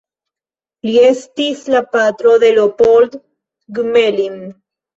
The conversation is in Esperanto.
Li estis la patro de Leopold Gmelin.